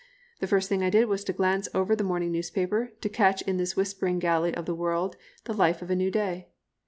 The first thing I did was to glance over the morning newspaper, to catch in this whispering gallery of the world the life of a new day.